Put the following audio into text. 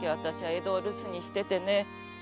江戸を留守にしててね。